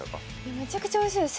めちゃくちゃおいしそうですね。